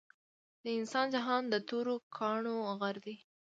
د انسان جهان د تورو کانړو غر دے